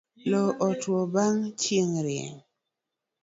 Loo otuo bang' chieng' rieny